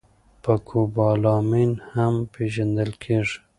په کوبالامین هم پېژندل کېږي